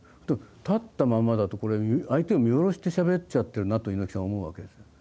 立ったままだとこれ相手を見下ろしてしゃべっちゃってるなと猪木さん思うわけですよ。